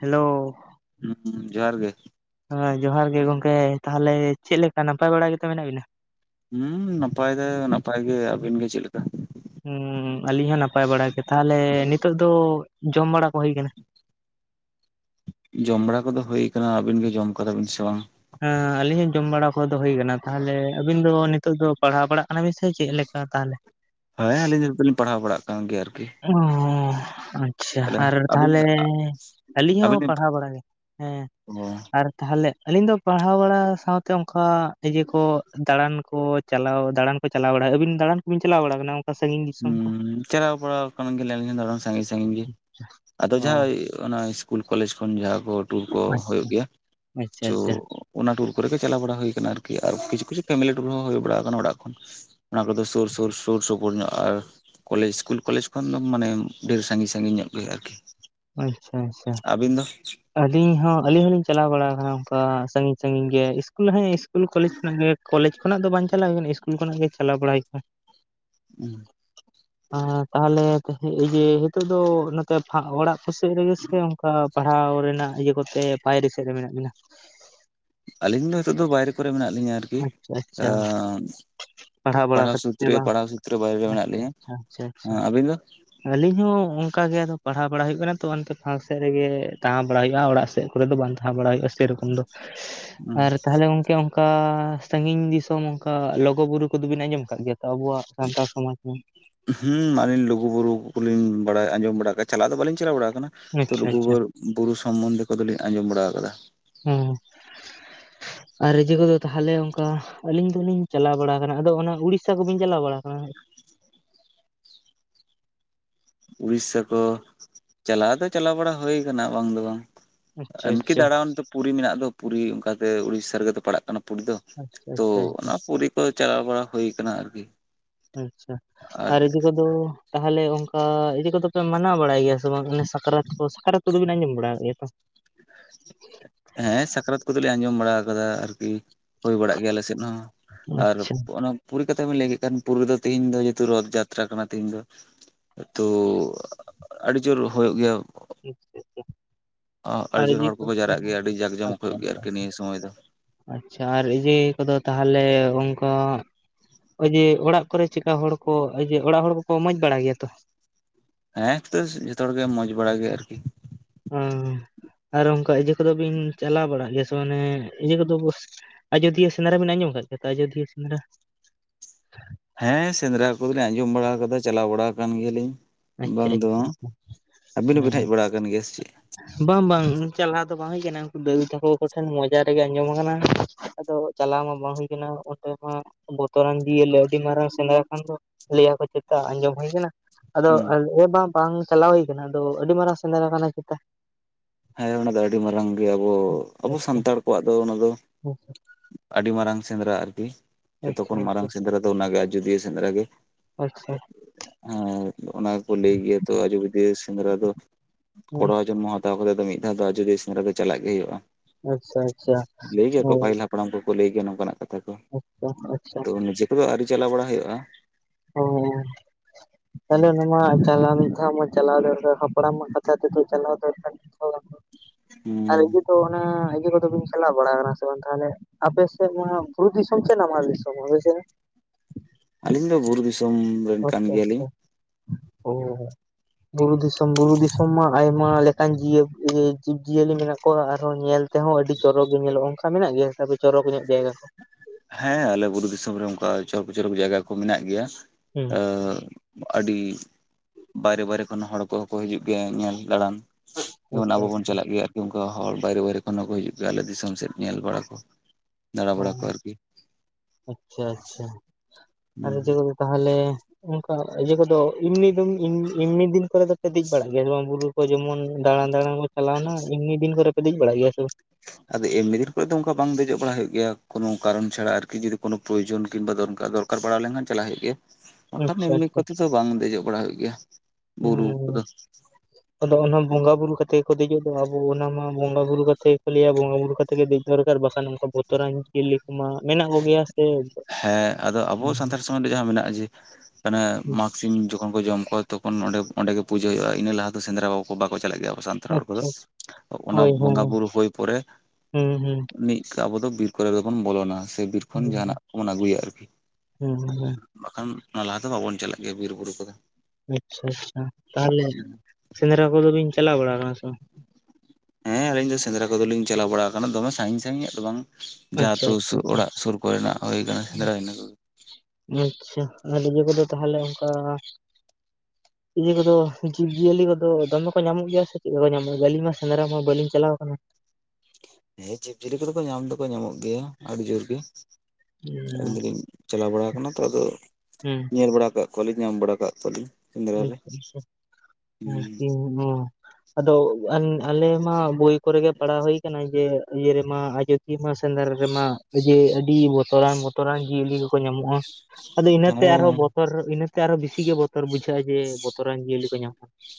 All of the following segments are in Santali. ᱦᱮᱞᱳ᱾ ᱦᱸ ᱡᱚᱦᱟᱨ ᱜᱮ ᱾ ᱦᱮᱸ ᱡᱚᱦᱟᱨ ᱜᱮ ᱜᱚᱝᱠᱮ, ᱛᱟᱦᱚᱞᱮ ᱪᱮᱫ ᱞᱮᱠᱟ ᱱᱟᱯᱟᱭ ᱵᱟᱲᱟ ᱜᱮᱛᱚ ᱢᱮᱱᱟᱜ ᱵᱤᱱᱟ? ᱦᱩᱸ ᱱᱟᱯᱟᱭ ᱫᱚ ᱱᱟᱯᱟᱭ ᱜᱮ ᱾ ᱟᱹᱵᱤᱱ ᱜᱮ ᱪᱮᱫ ᱞᱮᱠᱟ? ᱦᱸ ᱟᱹᱞᱤᱧ ᱦᱚᱸ ᱱᱟᱯᱟᱭ ᱵᱟᱲᱟ ᱜᱮ ᱛᱟᱦᱚᱞᱮ, ᱱᱤᱛᱚᱜ ᱫᱚ ᱡᱚᱢ ᱵᱟᱲᱟ ᱠᱚ ᱦᱩᱭ ᱟᱠᱟᱱᱟ? ᱡᱚᱢ ᱵᱟᱲᱟ ᱠᱚᱫᱚ ᱦᱩᱭ ᱟᱠᱟᱱᱟ, ᱟᱹᱵᱤᱱ ᱜᱮ ᱡᱚᱢ ᱠᱟᱫᱟ ᱵᱤᱱ ᱥᱮ ᱵᱟᱝ? ᱦᱮᱸ ᱟᱹᱞᱤᱧ ᱦᱚᱸ ᱡᱚᱢ ᱵᱟᱲᱟ ᱠᱚᱫᱚ ᱦᱩᱭ ᱠᱟᱱᱟ, ᱛᱟᱦᱚᱞᱮ ᱟᱹᱵᱤᱱ ᱫᱚ ᱱᱤᱛᱚᱜ ᱫᱚ ᱯᱟᱲᱦᱟᱣ ᱯᱟᱲᱟᱜ ᱠᱟᱱᱟ ᱵᱤᱱ ᱥᱮ ᱪᱮᱫ ᱞᱮᱠᱟ ᱛᱟᱦᱚᱞᱮ? ᱦᱮᱸ ᱟᱹᱞᱤᱧ ᱱᱤᱛ [unintelligible] ᱞᱤᱧ ᱯᱟᱲᱦᱟᱣ ᱵᱟᱲᱟᱜ ᱠᱟᱱ ᱜᱮᱭᱟ ᱟᱨᱠᱤ [unintelligible] ᱟᱪᱪᱷᱟ ᱛᱟᱦᱞᱮ ᱟᱨ ᱟᱹᱵᱤᱱ ᱛᱟᱦᱚᱞᱮ ᱟᱹᱞᱤᱧ ᱟᱹᱵᱤᱱ ᱦᱚᱸ ᱯᱟᱲᱦᱟᱣ ᱵᱟᱲᱟ ᱜᱮ ᱦᱮᱸ ᱟᱨ ᱛᱟᱦᱚᱞᱮ ᱟᱹᱞᱤᱧ ᱫᱚ ᱯᱟᱲᱦᱟᱣ ᱵᱟᱲᱟ ᱥᱟᱶᱛᱮ ᱚᱱᱠᱟ ᱤᱡᱟᱹ ᱠᱚ ᱫᱟᱬᱟᱱ ᱠᱚ ᱪᱟᱞᱟᱣ ᱫᱟᱬᱟᱱ ᱠᱚ ᱪᱟᱣ ᱵᱟᱲ ᱟᱹᱵᱤᱱ ᱫᱟᱲᱟᱱ ᱠᱚᱵᱤᱱ ᱪᱟᱞᱟᱣ ᱵᱟᱲᱟ ᱠᱟᱱᱟ ᱥᱟᱺᱜᱤᱧ ᱫᱤᱥᱚᱢ ᱦᱩᱸ ᱠᱚ? ᱪᱟᱞᱟᱣ ᱵᱟᱲᱟᱣ ᱠᱟᱱ ᱜᱮᱭᱟᱞᱤᱧ [unintelligible] ᱥᱟᱺᱜᱤᱧ ᱥᱟᱺᱜᱤᱧ ᱜᱮ ᱟᱫᱚ ᱡᱟᱦᱟᱸ ᱚ ᱚᱱᱟ ᱤᱥᱠᱩᱞ ᱠᱚᱞᱮᱡᱽ ᱠᱷᱚᱱ ᱡᱟᱦᱟᱸ ᱠᱚ ᱴᱩᱨ ᱠᱚ ᱦᱳᱭᱳᱜ ᱟᱪᱪᱷᱟ ᱜᱮᱭᱟ ᱟᱪᱪᱷᱟ ᱪᱳ ᱟᱪᱪᱷᱟ ᱚᱱᱟ ᱴᱩᱨ ᱠᱚᱨᱮᱜᱮ ᱪᱟᱞᱟᱣ ᱵᱟᱲᱟ ᱦᱩᱭ ᱠᱟᱱᱟ ᱟᱨᱠᱤ ᱟᱨ ᱠᱤᱪᱷᱩ ᱠᱤᱪᱷᱩ ᱯᱷᱢᱮᱞᱤ ᱴᱩᱨ ᱦᱚᱸ ᱦᱩᱭ ᱵᱟᱲᱟ ᱠᱟᱱᱟ ᱚᱲᱟᱜ ᱠᱷᱚᱱ ᱚᱱᱟ ᱠᱚᱫᱚ ᱥᱳᱨ ᱥᱳᱨ ᱥᱳᱨ ᱥᱳᱯᱳᱨ ᱧᱚᱜ ᱟᱨ ᱠᱚᱞᱮᱡᱽ ᱥᱤᱥᱠᱩᱞ ᱠᱚᱞᱮᱡᱽ ᱠᱷᱚᱱ ᱫᱚ ᱢᱟᱱᱮ ᱰᱷᱮᱨ ᱥᱟᱺᱜᱤᱧ ᱥᱟᱺᱜᱤᱧ ᱧᱚᱜ ᱜᱮ ᱟᱨᱠᱤ ᱟᱪᱪᱷᱟ ᱟᱪᱪᱷᱟ ᱟᱹᱵᱤᱱ ᱫᱚ? ᱟᱹᱞᱤᱧ ᱦᱚᱸ ᱟᱹᱞᱤᱧ ᱦᱚᱸᱞᱤᱧ ᱪᱟᱞᱟᱣ ᱵᱟᱲᱟ ᱠᱟᱱᱟ, ᱚᱱᱠᱟ ᱥᱟᱺᱜᱤᱧ ᱥᱟᱹᱜᱤᱧ ᱜᱮ ᱤᱥᱠᱩᱞ ᱦᱮᱸ ᱤᱥ ᱤᱥᱠᱩᱞ ᱠᱚᱞᱮᱡᱽ ᱠᱷᱚᱱᱟᱜ ᱜᱮ ᱠᱚᱞᱮᱡᱽ ᱠᱷᱚᱱᱟᱜ ᱫᱚ ᱵᱟᱝ ᱪᱟᱞᱟᱣ ᱦᱩᱭ ᱠᱟᱱᱟ ᱤᱥᱠᱩᱞ ᱠᱷᱚᱱᱟᱜ ᱜᱮ ᱪᱟᱞᱟᱣ ᱵᱟᱲᱟ ᱦᱩᱭ ᱠᱟᱱᱟ [unintelligible] ᱟ ᱛᱟᱦᱚᱞᱮ ᱮ ᱡᱮ ᱦᱤᱛᱚᱜ ᱫᱚ ᱱᱚᱛᱮ ᱯᱷᱟ ᱚᱲᱟᱜ ᱥᱳᱨ ᱨᱮᱜᱮ ᱥᱮ ᱚᱱᱠᱟ ᱯᱟᱲᱦᱟᱣ ᱨᱮᱱᱟᱜ ᱤᱭᱟᱹ ᱠᱚᱛᱮ ᱵᱟᱭᱨᱮ ᱥᱮᱫ ᱨᱮ ᱢᱮᱱᱟᱜ ᱵᱤᱱᱟ? ᱟᱹᱞᱤᱧ ᱫᱚ ᱱᱤᱛᱚᱜ ᱫᱚ ᱵᱟᱭᱨᱮ ᱠᱚᱨᱮᱜ ᱢᱮᱱᱟᱜ ᱞᱤᱧᱟ ᱟᱨᱠᱤ, ᱟᱪᱪᱷᱟ ᱟᱪᱪᱷᱟ ᱮᱜ ᱵᱟᱲᱟ ᱯᱟᱲᱦᱟᱣ ᱠᱷᱟᱹᱛᱤᱨ ᱛᱮ ᱥᱩᱛᱨᱮ, ᱵᱟᱝ ᱯᱟᱲᱦᱟᱣ ᱥᱩᱛᱨᱮ ᱵᱟᱭᱨᱮ ᱨᱮ ᱢᱮᱱᱟᱜ ᱟᱪᱪᱷᱟ ᱞᱤᱧᱟ ᱟᱪᱪᱷᱟ ᱟᱪᱪᱷᱟ ᱦᱮᱸ ᱟᱹᱵᱤᱱ ᱫᱚ? ᱟᱹᱞᱤᱧ ᱦᱚᱸ ᱚᱱᱠᱟ ᱜᱮ ᱟᱫᱚ ᱯᱟᱲᱦᱟᱣ ᱵᱟᱲᱟ ᱦᱩᱭᱩᱜ ᱠᱟᱱᱟ ᱛᱚ ᱚᱱᱛᱮ ᱯᱷᱟᱠ ᱥᱮᱫ ᱨᱮᱜᱮ ᱛᱟᱦᱮᱸ ᱵᱟᱲᱟ ᱦᱩᱭᱩᱜᱼᱟ, ᱚᱲᱟᱜ ᱥᱮᱫ ᱠᱚᱨᱮ ᱫᱚ ᱵᱟᱝ ᱛᱟᱦᱮᱸ ᱵᱟᱲᱟ ᱦᱩᱭᱩᱜᱼᱟ ᱥᱮᱨᱚᱠᱚᱢ ᱫᱚ, ᱟᱨ ᱛᱟᱦᱚᱞᱮ ᱜᱚᱢᱠᱮ ᱚᱝᱠᱟ ᱥᱟᱺᱜᱤᱧ ᱫᱤᱥᱚᱢ ᱚᱱᱠᱟ ᱞᱚᱜᱚ ᱵᱩᱨᱩ ᱠᱚᱫᱚ ᱵᱤᱱ ᱟᱸᱡᱚᱢ ᱠᱟᱫ ᱜᱮᱭᱟ ᱛᱚ ᱟᱵᱚᱣᱟᱜ ᱥᱟᱱᱛᱟᱲ ᱥᱚᱢᱟᱡᱽ [unintelligible] ᱦᱩᱸ ᱟᱹᱞᱤᱧ ᱞᱩᱜᱩ ᱵᱩᱨᱩ ᱠᱚᱞᱤᱧ ᱵᱟᱲᱟᱭ, ᱟᱸᱡᱚᱢ ᱵᱟᱲᱟ ᱠᱟᱜ ᱪᱟᱞᱟᱜ ᱫᱚ ᱵᱟᱹᱞᱤᱧ ᱪᱟᱞᱟᱣ ᱵᱟᱲᱟ ᱠᱟᱱᱟ ᱨᱮ ᱛᱚ ᱟᱪᱪᱷᱟ ᱞᱩᱜᱩ ᱵᱩ ᱟᱪᱪᱷᱟ ᱵᱩᱨᱩ ᱥᱚᱢᱵᱚᱱᱫᱷᱮ ᱠᱚᱫᱚᱞᱤᱧ ᱟᱸᱡᱚᱢ ᱵᱟᱲᱟ ᱠᱟᱫᱟ [unintelligible] ᱟᱨ ᱨᱤᱡᱮ ᱠᱚᱫᱚ ᱛᱟᱦᱚᱞᱮ ᱚᱱᱠᱟ ᱟᱹᱞᱤᱧ ᱫᱚᱞᱤᱧ ᱪᱟᱞᱟᱣ ᱵᱟᱲᱟ ᱠᱟᱱᱟ ᱟᱫᱚ ᱚᱱᱟ ᱩᱲᱤᱥᱥᱟ ᱠᱚᱵᱤᱱ ᱪᱟᱞᱟᱣ ᱵᱟᱲᱟ ᱠᱟᱱᱟ? ᱩᱲᱤᱥᱥᱟ ᱠᱚ ᱪᱟᱞᱟᱣ ᱫᱚ ᱪᱟᱞᱟᱣ ᱵᱟᱲᱟ ᱦᱩᱭ ᱠᱟᱱᱟ ᱵᱟᱝ ᱫᱚ ᱵᱟᱝ ᱟᱪᱪᱷᱟ ᱤᱱᱠᱟ. ᱟᱪᱪᱷᱟ ᱫᱟᱬᱟᱱ ᱛᱚ ᱯᱩᱨᱤ ᱢᱮᱱᱟᱜ ᱫᱚ ᱯᱩᱨᱤ ᱚᱱᱠᱟᱛᱮ ᱩᱲᱤᱥᱥᱟ ᱨᱮᱜᱮ ᱛᱚ ᱯᱟᱲᱟᱜ ᱠᱟᱱᱟ ᱯᱩᱨᱤ ᱫᱚ ᱟᱪᱪᱷᱟ ᱛᱳ ᱟᱪᱪᱷᱟ ᱚᱱᱟ ᱯᱩᱨᱤ ᱠᱚ ᱪᱟᱞᱟᱣ ᱵᱟᱲᱟ ᱦᱩᱭ ᱠᱟᱱᱟ ᱟᱨᱠᱤ ᱟᱪᱪᱷᱟ ᱟᱨ ᱤᱭᱟ. ᱠᱚᱫᱚ ᱛᱟᱦᱚᱞᱮ ᱚᱱᱠᱟ ᱤᱭᱟ. ᱠᱚᱫᱚ ᱯᱮ ᱢᱟᱱᱟᱣ ᱵᱟᱲᱟᱭ ᱜᱮᱭᱟ ᱥᱮ ᱵᱟᱝ ᱚᱱᱮ ᱥᱟᱠᱨᱟᱛ ᱠᱚ ᱥᱟᱠᱨᱟᱛ ᱠᱚ ᱫᱚᱵᱤᱱ ᱟᱸᱡᱚᱢ ᱵᱟᱲᱟ ᱠᱟᱫ ᱜᱮᱭᱟ ᱛᱚ? ᱦᱮᱸ ᱥᱟᱠᱨᱟᱛ ᱠᱚᱫᱚᱞᱤᱧ ᱟᱸᱡᱚᱢ ᱵᱟᱲᱟ ᱠᱟᱫᱟ ᱟᱨᱠᱤ ᱦᱳᱭ ᱵᱟᱲᱟᱜ ᱜᱮᱭᱟ ᱟᱞᱮ ᱥᱮᱫ ᱦᱚᱸ ᱟᱨ ᱟᱪᱪᱷᱟ ᱚᱱᱟ ᱯᱩᱨᱤ ᱠᱟᱛᱷᱟ ᱵᱤᱱ ᱞᱟᱹᱭ ᱠᱮᱫ ᱠᱷᱟᱱ ᱯᱩᱨᱤ ᱫᱚ ᱛᱮᱦᱮᱧ ᱫᱚ ᱡᱮᱦᱮᱛᱩ ᱨᱚᱛᱷ ᱡᱟᱛᱨᱟ ᱠᱟᱱᱟ ᱛᱮᱦᱮᱧ ᱫᱚ ᱛᱚ ᱟᱹᱰᱤ ᱡᱳᱨ ᱦᱳᱭᱳᱜ ᱜᱮᱭᱟ [inaudible] ᱟᱜ ᱟᱹᱰᱤ ᱟᱨ ᱡᱳᱨ ᱤᱭᱟᱹ ᱦᱚᱲ ᱠᱚᱫᱚ ᱠᱚᱠᱚ ᱡᱟᱣᱨᱟᱜ ᱜᱮᱭᱟ ᱟᱹᱰᱤ ᱡᱟᱠ ᱡᱚᱢᱚᱠ ᱟᱪᱪᱷᱟ ᱦᱩᱭᱩᱜ ᱜᱮᱭᱟ ᱟᱪᱪᱷᱟ ᱟᱨᱠᱤ ᱱᱤᱭᱟᱹ ᱥᱚᱢᱚᱭ ᱫᱚ ᱟᱪᱪᱷᱟ ᱟᱨ ᱤᱭᱟ. ᱠᱚᱫᱚ ᱛᱟᱦᱚᱞᱮ ᱚᱝᱠᱟ ᱚ ᱡᱮ ᱚᱲᱟᱜ ᱠᱚᱨᱮ ᱪᱮᱠᱟ ᱦᱚᱲ ᱠᱚ ᱚ ᱡᱮ ᱚᱲᱟᱜ ᱦᱚᱲ ᱠᱚᱠᱚ ᱢᱚᱡᱽ ᱵᱟᱲᱟ ᱜᱮᱭᱟ ᱛᱚ? ᱦᱮᱸ ᱛᱚ ᱡᱷᱚᱛᱚ ᱦᱚᱲᱜᱮ ᱢᱚᱸᱡᱽ ᱵᱟᱲᱟ ᱜᱮ ᱟᱨᱠᱤ᱾ ᱚ ᱟᱨ ᱚᱱᱠᱟ ᱤᱡᱟ. ᱠᱚᱫᱚ ᱵᱤᱱ ᱪᱟᱞᱟᱣ ᱵᱟᱲᱟᱜ ᱜᱮᱭᱟ ᱥᱮ ᱢᱟᱱᱮ ᱤᱡᱟ. ᱠᱚᱫᱚ ᱟᱡᱚᱫᱷᱤᱭᱟᱹ ᱥᱮᱸᱫᱽᱨᱟ ᱵᱤᱱ ᱟᱸᱡᱚᱢ ᱠᱟᱫ ᱜᱮᱭᱟ ᱛᱚ ᱟᱡᱚᱫᱷᱤᱭᱟᱹ ᱥᱮᱸᱫᱽᱨᱟ? ᱦᱮᱸ ᱥᱮᱸᱫᱽᱨᱟ ᱠᱚᱫᱚᱞᱤᱧ ᱟᱸᱡᱚᱢ ᱵᱟᱲᱟ ᱠᱟᱫᱟ ᱪᱟᱞᱟᱣ ᱵᱟᱲᱟ ᱠᱟᱱ ᱜᱮᱭᱟᱞᱤᱧ ᱟᱪᱪᱷᱟ ᱵᱟᱝ ᱫᱚ ᱟᱪᱪᱷᱟ ᱵᱟᱝ, ᱟᱹᱵᱤᱱ ᱦᱮᱸ ᱦᱚᱸᱵᱤᱱ ᱦᱮᱡ ᱵᱟᱲᱟ ᱠᱟᱱ ᱜᱮᱭᱟ ᱥᱮ ᱪᱮᱫ? ᱵᱟᱝ ᱵᱟᱝ ᱪᱟᱞᱟᱣ ᱫᱚ ᱵᱟᱝ ᱦᱩᱭ ᱠᱟᱱᱟ, ᱩᱱᱠᱩ ᱫᱟᱹᱫᱩ ᱛᱟᱠᱚ ᱠᱚᱴᱷᱮᱱ ᱢᱚᱡᱟ ᱨᱮᱜᱮ ᱟᱸᱡᱚᱢ ᱠᱟᱱᱟ, ᱟᱫᱚ ᱪᱟᱞᱟᱣ ᱢᱟ ᱵᱟᱝ ᱦᱩᱭ ᱠᱟᱱᱟ ᱚᱸᱰᱮ ᱢᱟ ᱵᱚᱛᱚᱨᱟᱱ ᱡᱤᱭᱟ. ᱞᱤ ᱟᱹᱰᱤ ᱢᱟᱨᱟᱝ ᱥᱮᱸᱫᱽᱨᱟ ᱠᱟᱱ ᱫᱚ ᱞᱮᱭᱟᱠᱚ ᱪᱮᱛᱟ ᱟᱸᱡᱚᱢ ᱦᱩᱭ ᱠᱟᱱᱟ᱾ ᱟᱫᱚ ᱦᱮᱸ ᱮᱞ ᱮᱸ ᱵᱟᱝ ᱪᱟᱞᱟ ᱦᱳᱭ ᱠᱟᱱᱟ ᱟᱫᱚ ᱟᱹᱰᱤ ᱢᱟᱨᱟᱝ ᱥᱮᱸᱫᱽᱨᱟ ᱠᱟᱱᱟ ᱥᱮ ᱪᱮᱛᱟ? ᱦᱮᱸᱚᱱᱟ ᱫᱚ ᱟᱹᱰᱤ ᱢᱟᱨᱟᱝ ᱜᱮ ᱟᱵᱚ, ᱟᱵᱚ ᱟᱪᱪᱷᱟ ᱥᱟᱱᱛᱟᱲ ᱠᱚᱣᱟᱜ ᱫᱚ ᱚᱱᱟ ᱫᱚ ᱼᱼ ᱟᱹᱰᱤ ᱢᱟᱨᱟᱝ ᱥᱮᱸᱫᱽᱨᱟ ᱟᱨᱠᱤ, ᱡᱷᱚᱛᱚ ᱟᱪᱪᱷᱟ ᱠᱷᱚᱱ ᱢᱟᱨᱟᱝ ᱥᱮᱸᱫᱽᱨᱟ ᱫᱚ ᱚᱱᱟᱜᱮ ᱟᱡᱳᱫᱤᱭᱟᱹ ᱥᱮᱸᱫᱽᱨᱟ ᱜᱮ। ᱟᱪᱪᱷᱟ ᱾ ᱦᱮᱸ ᱚᱱᱟ ᱦᱚᱠᱚ ᱞᱟᱹᱭ ᱜᱮᱭᱟ ᱛᱚ ᱟᱡᱚᱫᱤᱭᱟᱹ ᱥᱮᱸᱫᱽᱨᱟ ᱫᱚ ᱠᱚᱲᱦᱟ ᱡᱚᱱᱢᱚᱼᱼ ᱦᱟᱛᱟᱣ ᱠᱟᱛᱮ ᱢᱤᱫ ᱫᱷᱟᱣ ᱫᱚ ᱟᱡᱚᱫᱤᱭᱟᱹ ᱥᱮᱫᱽᱨᱟ ᱫᱚ ᱪᱟᱞᱟᱜ ᱜᱮ ᱦᱩᱭᱩᱜᱼᱟ ᱟᱪᱪᱷᱟ ᱟᱪᱪᱷᱟ ᱾ ᱞᱟᱹᱭ ᱜᱮᱭᱟ ᱠᱚ ᱯᱟᱹᱦᱤᱞ ᱦᱟᱯᱼᱼ ᱦᱟᱯᱲᱟᱢ ᱠᱚᱠᱚ ᱞᱟᱹᱭ ᱜᱮᱭᱟ ᱱᱚᱝᱠᱟ ᱱᱟᱜ ᱠᱟᱛᱷᱟ ᱾ ᱚᱠᱛᱚ ᱟᱪᱪᱷᱟ ᱾ [unintelligible] ᱟᱹᱣᱨᱤ ᱪᱟᱞᱟᱣ ᱵᱟᱲᱟ ᱦᱩᱭᱩᱜᱼᱟ ᱾ ᱚ ᱛᱟᱦᱞᱮ ᱚᱱᱟ ᱢᱟ ᱪᱟᱞᱟᱣ ᱞᱮᱱᱠᱷᱟᱱ ᱢᱟᱼᱼ ᱪᱟᱞᱟᱣ ᱫᱚᱨᱠᱟᱨ ᱦᱟᱯᱲᱟᱢ ᱠᱟᱛᱷᱟ ᱛᱮᱫᱚ ᱪᱟᱞᱟᱣ ᱫᱚᱨᱠᱟᱨ, ᱦᱩᱸ ᱟᱨᱤᱧ ᱵᱩᱪᱼᱼ ᱛᱚ ᱚᱱᱟ ᱤᱭᱟᱹ ᱠᱚᱫᱚ ᱵᱤᱱ ᱪᱟᱞᱟᱣ ᱵᱟᱲᱟ ᱟᱠᱟᱱᱟ ᱥᱮ ᱵᱟᱝ ᱛᱟᱦᱚᱞᱮ? ᱟᱯᱮ ᱥᱮ ᱢᱟ ᱵᱩᱨᱩ ᱫᱤᱥᱚᱢ ᱥᱮ ᱱᱟᱢᱟᱞ ᱫᱤᱥᱚᱢ ᱟᱯᱮ ᱥᱮᱫ [unintelligible] ᱟᱹᱞᱤᱧ ᱫᱚ ᱵᱩᱨᱩ ᱫᱤᱥᱚᱢ ᱾ ᱟᱪᱪᱷᱟ ᱟᱪᱪᱷᱟ ᱾ [unintelligible] ᱵᱩᱨᱩ ᱫᱤᱥᱚᱢ ᱵᱩᱨᱩ ᱫᱤᱥᱚᱢ ᱢᱟ, ᱟᱭᱢᱟ ᱞᱮᱠᱟᱱ ᱡᱤᱭᱟᱹᱞᱤ ᱡᱤᱵᱽ ᱡᱤᱭᱟᱹᱞᱤ ᱢᱮᱱᱟᱜ ᱠᱚᱣᱟ ᱟᱨᱦᱚᱸ ᱧᱮᱞ ᱧᱮᱞ ᱛᱮᱦᱚᱸ ᱟᱹᱰᱤ ᱪᱚᱨᱚᱠ ᱜᱮ ᱧᱮᱞᱚᱜᱼᱟ, ᱚᱱᱠᱟ ᱢᱮᱱᱟᱜ ᱜᱮᱭᱟ ᱥᱮ ᱟᱹᱰᱤ ᱪᱚᱨᱚᱠ ᱧᱚᱜ ᱡᱟᱭᱜᱟ ᱠᱚ? ᱦᱮᱸ ᱟᱞᱮ ᱵᱩᱨᱩ ᱫᱤᱥᱚᱢ ᱨᱮ ᱚᱱᱠᱟ ᱪᱚᱨᱚᱠ ᱪᱚᱨᱚᱠ ᱡᱟᱭᱜᱟ ᱠᱚ ᱢᱮᱱᱟᱜ ᱜᱮᱭᱟ ᱦᱩᱸ ᱾ ᱮᱻ ᱼᱼ ᱟᱹᱰᱤ ᱵᱟᱭᱨᱮ ᱵᱟᱭᱨᱮ ᱠᱷᱚᱱ ᱦᱚᱲ ᱠᱚᱦᱚᱸ ᱠᱚ ᱦᱤᱡᱩᱜ ᱜᱮᱭᱟ ᱧᱮᱞ ᱫᱟᱲᱟᱱ ᱾ ᱡᱮᱢᱚᱱ ᱟᱪᱪᱷᱟ ᱟᱵᱚ ᱵᱚᱱ ᱟᱪᱪᱷᱟ ᱪᱟᱞᱟᱜ ᱜᱮᱭᱟ, ᱟᱨᱠᱤ ᱩᱱᱠᱟ ᱦᱚᱲ ᱵᱟᱭᱨᱮ ᱵᱟᱭᱨᱮ ᱠᱷᱚᱱ ᱦᱚᱸ ᱠᱚ ᱦᱤᱡᱩᱜ ᱜᱮᱭᱟ ᱟᱞᱮ ᱫᱤᱥᱚᱢ ᱥᱮᱫ ᱧᱮᱞ ᱵᱟᱲᱟ ᱠᱚᱼᱼ ᱫᱟᱲᱟ ᱚ ᱵᱟᱲᱟ ᱠᱚ ᱟᱨᱠᱤ ᱾ ᱟᱪᱪᱷᱟ ᱟᱪᱪᱷᱟ, ᱟᱨ ᱦᱩᱸ ᱡᱟᱜᱚ ᱢᱮᱼᱼ ᱛᱟᱦᱚᱞᱮ ᱚᱱᱠᱟ ᱤᱭᱟᱹ ᱠᱚᱫᱚ, ᱮᱢᱱᱤ ᱫᱚ ᱮᱢᱱᱤ ᱫᱤᱱ ᱠᱚᱨᱮ ᱫᱚᱯᱮ ᱫᱮᱡ ᱵᱟᱲᱟᱜ ᱜᱮᱭᱟ ᱥᱮ ᱵᱟᱝ ᱵᱩᱨᱩ? ᱡᱮᱢᱚᱱ ᱫᱟᱲᱟ ᱫᱟᱲᱟᱱ ᱠᱚ ᱪᱟᱞᱟᱣ ᱮᱱᱟ ᱮᱢᱚᱱᱤ ᱫᱤᱱ ᱠᱚᱨᱮ ᱯᱮ ᱫᱮᱡ ᱵᱟᱲᱟᱭ ᱜᱮᱭᱟ ᱥᱮ ᱵᱟᱝ? ᱟᱫᱚ ᱮᱢᱱᱤ ᱫᱤᱱ ᱠᱚᱨᱮ ᱫᱚ ᱚᱱᱠᱟ ᱵᱟᱝ ᱫᱮᱡᱚᱜ ᱵᱟᱲᱟ ᱦᱩᱭᱩᱜ ᱜᱮᱭᱟ, ᱠᱳᱱᱳ ᱠᱟᱨᱚᱱ ᱪᱷᱟᱲᱟ ᱟᱨᱠᱤ ᱡᱩᱫᱤ ᱠᱳᱱᱳᱼᱼ ᱯᱨᱚᱭᱳᱡᱚᱱ ᱠᱤᱝᱵᱟ ᱫᱚᱨᱠᱟᱨ, ᱫᱚᱨᱠᱟᱨ ᱯᱟᱲᱟᱣ ᱞᱮᱱᱠᱷᱟᱱ ᱪᱟᱞᱟᱜ ᱦᱩᱭᱩᱜ ᱜᱮᱭᱟ ᱾ [inaudible] ᱵᱟᱝᱠᱷᱟᱱ ᱮᱢᱱᱤ ᱟᱪᱪᱷᱟ ᱠᱚᱛᱮ ᱫᱚ ᱵᱟᱝ ᱫᱮᱡᱚᱜ ᱵᱟᱲᱟ ᱦᱩᱭᱩᱜ ᱜᱮᱭᱟ ᱾ ᱦᱮᱸ ᱾ ᱟᱫᱚ ᱚᱱᱟ ᱵᱚᱸᱜᱟ ᱵᱩᱨᱩ ᱠᱟᱛᱮ ᱜᱮᱠᱚ ᱫᱮᱡᱚᱜ ᱫᱚ, ᱟᱵᱚ ᱚᱱᱟ ᱢᱟ ᱵᱚᱸᱜᱟ ᱵᱩᱨᱩ ᱠᱟᱛᱮᱜ ᱜᱮᱠᱚ ᱞᱟᱹᱭᱟ ᱵᱚᱸᱜᱟ ᱵᱩᱨᱩ ᱠᱟᱛᱮ ᱜᱮ ᱫᱮᱡᱚᱜᱼᱼ ᱫᱚᱨᱠᱟᱨ ᱵᱟᱝᱠᱷᱟᱱ ᱱᱚᱱᱠᱟ ᱵᱚᱛᱚᱨᱟᱱ ᱡᱤᱭᱟᱹᱞᱤ ᱠᱚᱢᱟ ᱢᱮᱱᱟᱜ ᱠᱚᱜᱮᱭᱟ ᱾ ᱦᱮᱸ ᱟᱫᱚ ᱟᱵᱚ ᱥᱟᱱᱛᱟᱲ ᱥᱚᱢᱟᱡᱽ ᱨᱮ ᱡᱟᱦᱟ ᱢᱮᱱᱟᱜᱼᱟ ᱡᱮ ᱢᱟᱱᱮ ᱢᱟᱜᱽ ᱥᱤᱢ ᱡᱚᱠᱷᱚᱱ ᱠᱚ ᱡᱚᱢ ᱠᱚᱣᱟ ᱛᱚᱠᱷᱚᱱ ᱚᱸᱰᱮ ᱜᱮ ᱯᱩᱡᱟᱹ ᱦᱩᱭᱩᱜᱼᱟ, ᱤᱱᱟᱹ ᱞᱟᱦᱟ ᱫᱚ ᱥᱮᱸᱫᱽᱨᱟ ᱫᱚ ᱵᱟᱠᱚ ᱪᱟᱞᱟᱜ ᱜᱮᱭᱟ ᱾ ᱥᱟᱱᱛᱟᱲ ᱦᱚᱲ ᱠᱚᱫᱚ ᱟᱪᱪᱷᱟ ᱚᱱᱟ ᱦᱳᱭ ᱦᱳᱭ ᱵᱚᱸᱜᱟ ᱵᱩᱨᱩ ᱦᱩᱭ ᱯᱚᱨᱮ ᱦᱩᱸ ᱦᱩᱸ ᱢᱤᱫ ᱟᱵᱚ ᱫᱚ ᱵᱤᱨ ᱠᱚᱨᱮ ᱫᱚᱵᱚᱱ ᱵᱚᱞᱚᱱᱟ, ᱥᱮ ᱵᱤᱨ ᱠᱷᱚᱱ ᱡᱟᱦᱟ ᱱᱟᱜ ᱦᱩᱸ ᱠᱚᱵᱚᱱ ᱟᱹᱜᱩᱭᱟ ᱟᱨᱠᱤ ᱾ ᱦᱩᱸ [unintelligible] ᱵᱟᱠᱷᱟᱱ ᱚᱱᱟ ᱞᱟᱦᱟ ᱫᱚ ᱵᱟᱵᱚᱱ ᱪᱟᱞᱟᱜ ᱜᱮᱭᱟ ᱵᱤᱨᱵᱩᱨᱩ ᱠᱚᱫᱚ ᱾ ᱟᱪᱪᱷᱟ ᱟᱪᱪᱷᱟ, ᱛᱟᱦᱚᱞᱮ ᱥᱮᱸᱫᱽᱨᱟ ᱠᱚᱫᱚ ᱵᱤᱱ ᱪᱟᱞᱟᱣ ᱵᱟᱲᱟ ᱠᱟᱱᱟ ᱥᱮ ᱵᱟᱝ? ᱦᱮᱸ ᱟᱹᱞᱤᱧ ᱫᱚ ᱥᱮᱸᱫᱽᱨᱟ ᱠᱚᱫᱚᱞᱤᱧ ᱪᱟᱞᱟᱣ ᱵᱟᱲᱟ ᱟᱠᱟᱱᱟ, ᱫᱚᱢᱮ ᱥᱟᱺᱜᱤᱧ ᱥᱟᱺᱜᱤᱧ ᱟᱜ ᱫᱚ ᱵᱟᱝ ᱾ ᱡᱟᱦᱟᱸ ᱟᱪᱪᱷᱟ ᱟᱛᱩ ᱟᱪᱪᱷᱟ ᱥᱩᱨ ᱟᱪᱪᱷᱟ ᱚᱲᱟᱜ ᱥᱩᱨ ᱠᱚᱨᱮᱱᱟᱜ ᱦᱩᱭ ᱠᱟᱱᱟ ᱥᱮᱸᱫᱽᱨᱟ ᱤᱱᱟᱹ ᱠᱚᱜᱮ ᱾ ᱟᱪᱪᱷᱟ [unintelligible] ᱛᱟᱦᱚᱞᱮ ᱚᱱᱠᱟ [inaudible] ᱤᱭᱟᱹ ᱠᱚᱫᱚ ᱡᱤᱵᱽ ᱡᱤᱭᱟᱹᱞᱤ ᱠᱚᱫᱚ ᱫᱚᱢᱮ ᱠᱚ ᱧᱟᱢᱚᱜ ᱜᱮᱭᱟ ᱥᱮ ᱪᱮᱫ ᱞᱮᱠᱟ ᱵᱟᱠᱚ ᱧᱟᱢᱚᱜ ᱜᱮᱭᱟ ᱟᱹᱞᱤᱧ ᱢᱟ ᱥᱮᱸᱫᱽᱨᱟ ᱢᱟ ᱵᱟᱹᱞᱤᱧ ᱪᱟᱞᱟᱣ ᱠᱟᱱᱟ ᱾ ᱦᱮᱸ ᱡᱤᱵᱽ ᱡᱤᱭᱟᱹᱞᱤ ᱠᱚᱫᱚ ᱠᱚ ᱧᱟᱢ ᱫᱚᱠᱚ ᱧᱟᱢᱚᱜ ᱜᱮᱭᱟ ᱟᱹᱰᱤ ᱡᱳᱨ ᱜᱮ ᱾ ᱟᱹᱞᱤᱧ ᱫᱚᱞᱤᱧ ᱪᱟᱞᱟᱣ ᱵᱟᱲᱟ ᱟᱠᱟᱱᱟ ᱛᱚ ᱟᱫᱚ ᱦᱩᱸ ᱧᱮᱞ ᱵᱟᱲᱟ ᱟᱠᱟᱜ ᱠᱚᱣᱟᱞᱤᱧ ᱧᱟᱢ ᱵᱟᱲᱟ ᱟᱠᱟᱫ ᱠᱚᱣᱟᱞᱤᱧ ᱾ [inaudible] [unintelligible] ᱟᱫᱚ ᱟᱱ ᱟᱞᱮ ᱢᱟ ᱵᱳᱭ ᱠᱚᱨᱮ ᱜᱮ ᱯᱟᱲᱦᱟᱣ ᱦᱩᱭ ᱟᱠᱟᱱᱟ ᱡᱮ ᱤᱭᱟᱹ ᱨᱮᱢᱟ ᱟᱡᱚ ᱫᱤᱭᱟᱹ ᱢᱟ ᱥᱮᱸᱫᱽᱨᱟ ᱨᱮᱢᱟ ᱡᱮ ᱟᱹᱰᱤ ᱵᱚᱛᱚᱨᱟᱱ ᱵᱚᱛᱚᱨᱟᱱ ᱡᱤᱭᱟᱹᱞᱤ ᱠᱚᱠᱚ ᱧᱟᱢᱚᱜᱼᱟ ᱾ ᱟᱫᱚ ᱤᱱᱟᱹᱛᱮ ᱦᱮᱸ ᱟᱨᱦᱚᱸ ᱵᱚᱛᱚᱨ ᱤᱱᱟᱹᱛᱮ ᱟᱨᱦᱚᱸ ᱵᱮᱥᱤ ᱜᱮ ᱵᱚᱛᱚᱨ ᱵᱩᱡᱷᱟᱹᱜᱼᱟ ᱡᱮ ᱵᱚᱛᱚᱨᱟᱱ ᱡᱤᱭᱟᱹᱞᱤ ᱠᱚ ᱧᱟᱢᱟᱜᱼᱟ ᱾